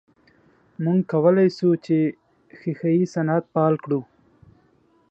موږ کولای سو چې ښیښه یي صنعت فعال کړو.